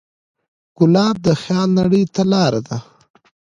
ګلاب د خیال نړۍ ته لاره ده.